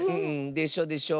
でしょでしょ。